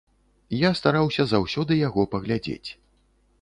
Я стараўся заўсёды яго паглядзець.